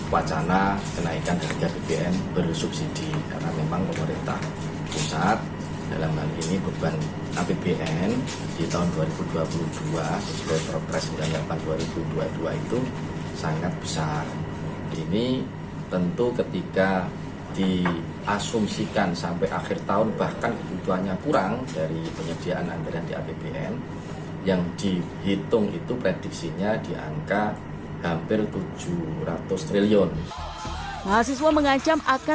wacana kenaikan harga bbm perlu subsidi karena memang pemerintah pusat dalam hal ini beban apbn